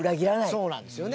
そうなんですよね。